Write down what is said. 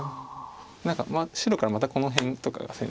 何か白からまたこの辺とかが先手に。